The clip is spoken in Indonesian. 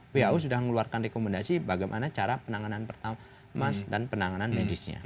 who sudah mengeluarkan rekomendasi bagaimana cara penanganan pertama mas dan penanganan medisnya